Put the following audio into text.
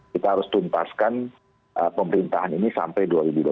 kita harus tuntaskan pemerintahan ini sampai dua ribu dua puluh